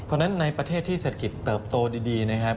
เพราะฉะนั้นในประเทศที่เศรษฐกิจเติบโตดีนะครับ